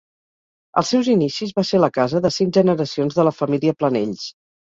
Als seus inicis va ser la casa de cinc generacions de la família Planells.